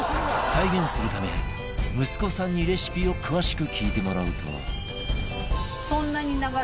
再現するため息子さんにレシピを詳しく聞いてもらうと